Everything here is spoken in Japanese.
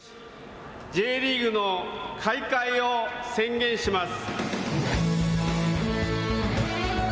Ｊリーグの開会を宣言します。